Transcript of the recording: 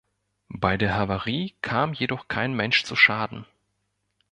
Bei der Havarie kam jedoch kein Mensch zu Schaden.